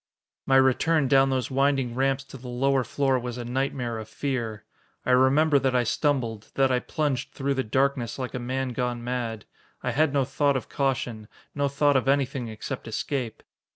My return down those winding ramps to the lower floor was a nightmare of fear. I remember that I stumbled, that I plunged through the darkness like a man gone mad. I had no thought of caution, no thought of anything except escape.